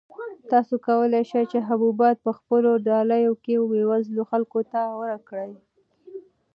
تاسو کولای شئ چې حبوبات په خپلو ډالیو کې بېوزلو خلکو ته ورکړئ.